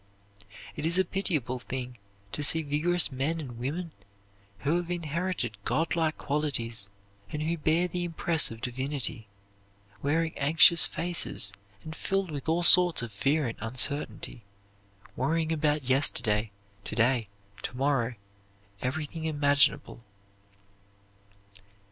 It is a pitiable thing to see vigorous men and women, who have inherited godlike qualities and who bear the impress of divinity, wearing anxious faces and filled with all sorts of fear and uncertainty, worrying about yesterday, to day, to morrow everything imaginable.